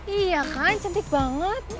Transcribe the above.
iya kan cantik banget